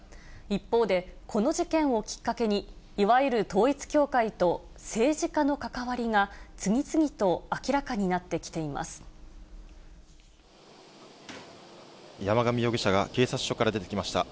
一方で、この事件をきっかけに、いわゆる統一教会と政治家の関わりが次々と明らかになってきてい山上容疑者が警察署から出てきました。